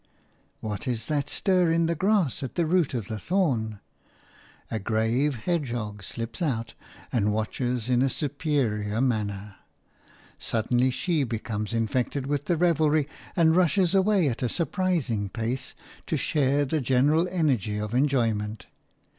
What is that stir in the grass at the root of the thorn? A grave hedgehog slips out and watches in a superior manner. Suddenly she becomes infected with the revelry, and rushes away at a surprising pace to share the general energy of enjoyment.